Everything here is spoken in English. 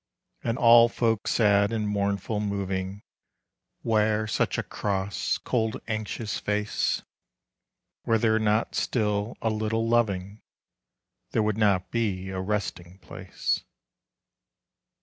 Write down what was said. And all folks sad and mournful moving, Wear such a cross, cold, anxious face; Were there not still a little loving, There would not be a resting place.